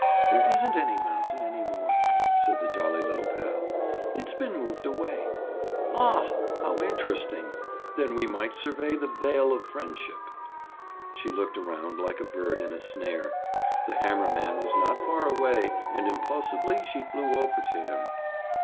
"There isn't any mountain any more," said the jolly little pal. "It's been moved away." "Aw! How interesting! Then we might survey the vale of friendship." She looked around like a bird in a snare; the hammer man was not far away and impulsively she flew over to him.